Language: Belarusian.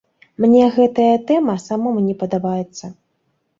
Мне гэтая тэма самому не падабаецца.